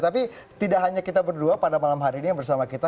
tapi tidak hanya kita berdua pada malam hari ini yang bersama kita